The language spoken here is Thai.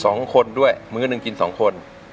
สองคนด้วยมื้อหนึ่งกินสองคน